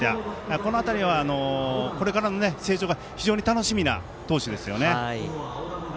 この辺りはこれからの成長が非常に楽しみな投手ですね。